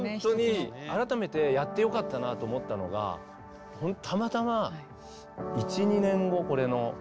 改めてやってよかったなと思ったのがたまたま１２年後、これの。